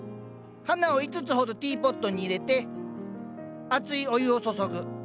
花を５つほどティーポットに入れて熱いお湯を注ぐ。